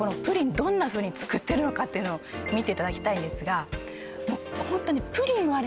どんなふうに作ってるのかっていうのを見ていただきたいんですがホントにプリンはね